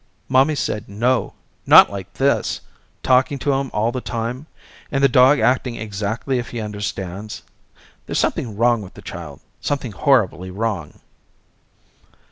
Mommy said no, not like this, talking to him all the time, and the dog acting exactly as if he understands there's something wrong with the child, something horribly wrong.